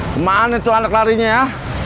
kemana tuh anak larinya ya